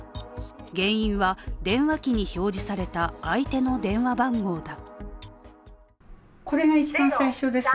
原因は電話機に表示された相手の電話番号田。